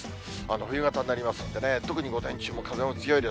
冬型になりますんでね、特に午前中も、風も強いです。